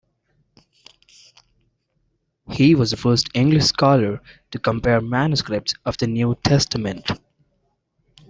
He was the first English scholar to compare manuscripts of the "New Testament".